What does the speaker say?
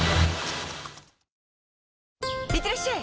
いってらっしゃい！